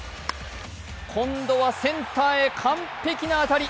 今度はセンターへ完璧な当たり。